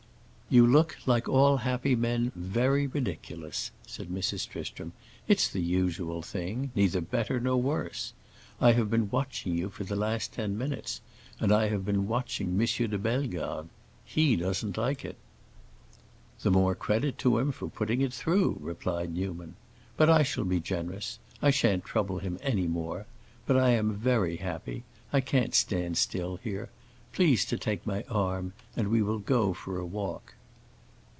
"You look like all happy men, very ridiculous," said Mrs. Tristram. "It's the usual thing, neither better nor worse. I have been watching you for the last ten minutes, and I have been watching M. de Bellegarde. He doesn't like it." "The more credit to him for putting it through," replied Newman. "But I shall be generous. I shan't trouble him any more. But I am very happy. I can't stand still here. Please to take my arm and we will go for a walk."